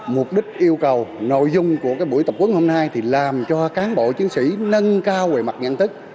mục đích yêu cầu nội dung của buổi tập quân hôm nay thì làm cho cán bộ chiến sĩ nâng cao về mặt nhận thức